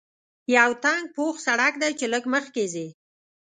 یو تنګ پوخ سړک دی چې لږ مخکې ځې.